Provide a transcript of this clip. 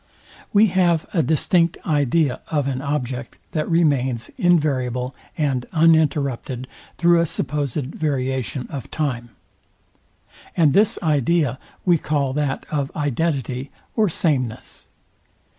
We have a distinct idea of an object, that remains invariable and uninterrupted through a supposed variation of time; and this idea we call that of identity or sameness.